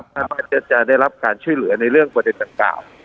ถ้ามันจะได้รับการช่วยเหลือในเรื่องประเด็นดังกล่าว